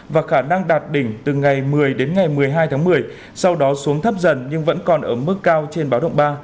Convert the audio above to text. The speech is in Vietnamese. và khả năng đạt đỉnh từ ngày một mươi đến ngày một mươi hai tháng một mươi sau đó xuống thấp dần nhưng vẫn còn ở mức cao trên báo động ba